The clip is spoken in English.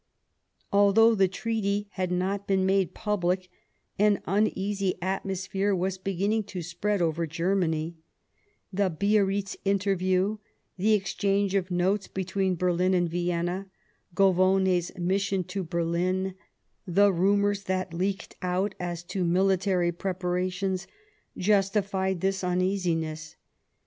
Although the treaty had not been made public, an uneasy atmosphere was beginning to spread over Germany ; the Biarritz interview. Plan for a the exchange of notes between Berlin Parliament ^.nd Vienna, Govone's mission to Berlin, the rumours that leaked out as to military preparations, justified this uneasiness.